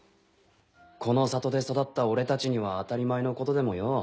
この里で育った俺たちには当たり前のことでもよ